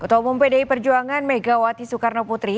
ketua umum pdi perjuangan megawati soekarno putri